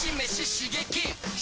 刺激！